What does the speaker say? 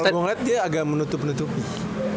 kalo gue ngeliat dia agak menutup menutup nih